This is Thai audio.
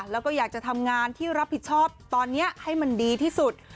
แล้วก็อยากจะทำงานที่รับผิดชอบตอนนี้ให้มันดีที่สุด